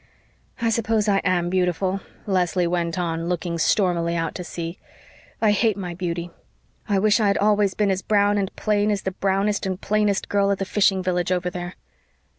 "I suppose I am beautiful," Leslie went on, looking stormily out to sea. "I hate my beauty. I wish I had always been as brown and plain as the brownest and plainest girl at the fishing village over there.